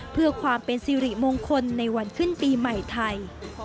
เพื่อความเป็นสิริมงคลในวันขึ้นปีใหม่ไทย